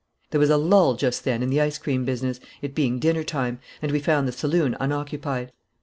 There was a lull just then in the ice cream business, it being dinner time, and we found the saloon unoccupied.